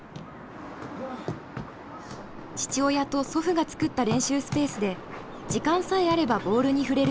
父親と祖父が作った練習スペースで時間さえあればボールに触れる毎日。